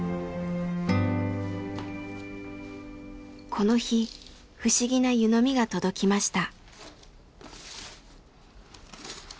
この日不思議な湯飲みが届きました。